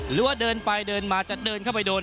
หรือว่าเดินไปเดินมาจะเดินเข้าไปโดน